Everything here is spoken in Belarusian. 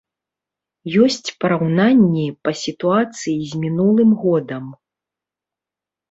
Ёсць параўнанні па сітуацыі з мінулым годам.